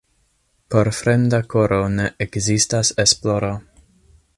Por fremda koro ne ekzistas esploro.